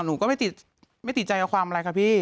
หนูก็ไม่ติดไม่ติดใจกับความอะไรค่ะพี่